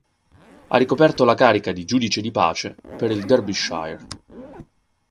Ha ricoperto la carica di giudice di pace per il Derbyshire.